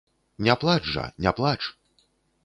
Не плач жа, не плач!